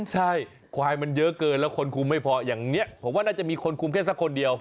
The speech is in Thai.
ใช่ควายมันเยอะเกินแล้วคนคุมไม่พออย่างนี้ผมว่าน่าจะมีคนคุมแค่สักคนเดียว